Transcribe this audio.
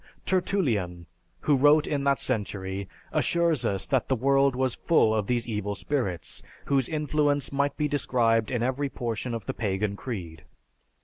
Tertullian, who wrote in that century, assures us that the world was full of these evil spirits, whose influence might be descried in every portion of the pagan creed.